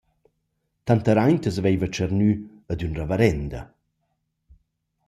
Tanteraint as vaiva tschernü ad ün ravarenda.